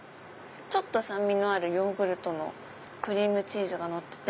ちょっと酸味のあるヨーグルトのクリームチーズがのってて。